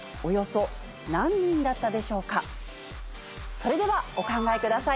それではお考えください。